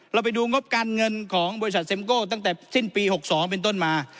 เราไปดูงบการเงินของบริษัทเมโก้ตั้งแต่สิ้นปี๖๒เป็นต้นมา